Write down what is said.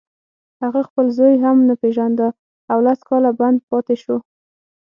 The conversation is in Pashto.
هغه خپل زوی هم نه پېژانده او لس کاله بند پاتې شو